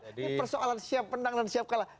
jadi persoalan siap menang dan siap kalah